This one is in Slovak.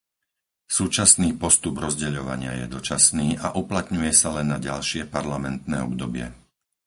Súčasný postup rozdeľovania je dočasný a uplatňuje sa len na ďalšie parlamentné obdobie.